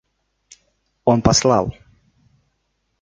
Он послал.